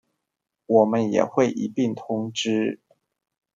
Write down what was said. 我們也會一併通知